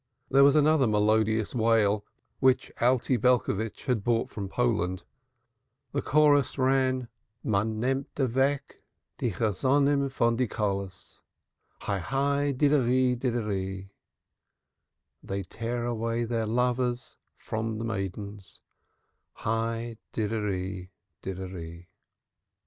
There was another melodious wail which Alte Belcovitch had brought from Poland. The chorus ran: Man nemt awek die chasanim voon die callohs Hi, hi, did a rid a ree! They tear away their lovers from the maidens, Hi, hi, did a rid a ree!